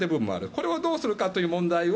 これをどうするかという問題を